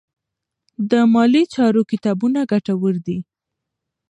د مالي چارو کتابونه ګټور دي.